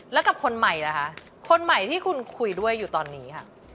แล้วกับคนใหม่ล่ะคะคนใหม่ที่คุณคุยด้วยอยู่ตอนนี้ค่ะ